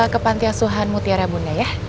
ke pantiasuhan mutiara bunda ya